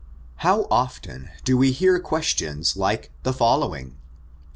How often do we hear questions like the following?